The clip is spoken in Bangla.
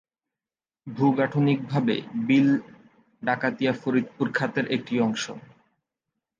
ভূ-গাঠনিকভাবে বিল ডাকাতিয়া ফরিদপুর খাতের একটি অংশ।